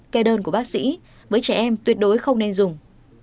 kê đơn của bác sĩ với trẻ em tuyệt đối không nên dùng